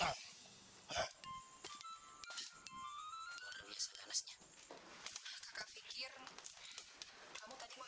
tapi gue sih harus sekolah kak soalnya ada uang an